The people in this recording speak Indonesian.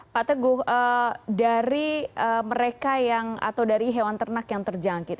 pak teguh dari mereka yang atau dari hewan ternak yang terjangkit